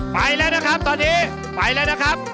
ไปแล้วนะครับตอนนี้ไปแล้วนะครับ